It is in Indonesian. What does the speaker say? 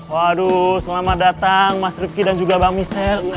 waduh selamat datang mas rifqi dan juga mbak michelle